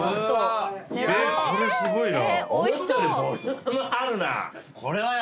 これすごいな。